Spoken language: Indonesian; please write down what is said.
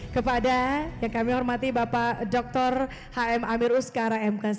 kepada yang kami hormati bapak doktor hm amir ustqara mks